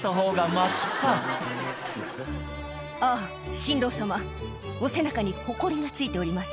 「あっ新郎様お背中にほこりが付いております」